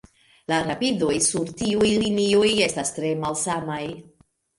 La rapidoj sur tiuj linioj estas tre malsamaj.